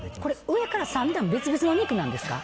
上から３段別々のお肉なんですか？